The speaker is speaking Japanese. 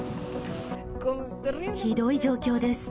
ひどい状況です。